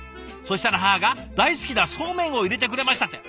そしたら母が大好きなそうめんを入れてくれました」